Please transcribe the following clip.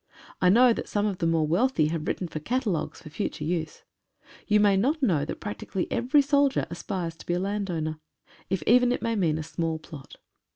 I know that some of the more wealthy have written for catalogues for future use. You may not know that practically every soldier aspires to be a land owner, if even it may mean a small plot.